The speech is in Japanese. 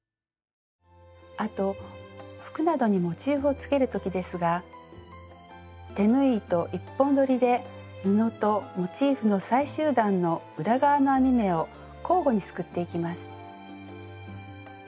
あと服などにモチーフをつける時ですが手縫い糸１本どりで布とモチーフの最終段の裏側の編み目を交互にすくっていきます。